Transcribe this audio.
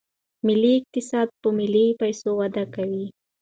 ملي اقتصاد په ملي پیسو وده کوي.